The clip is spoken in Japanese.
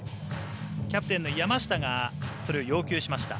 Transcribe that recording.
キャプテンの山下がそれを要求しました。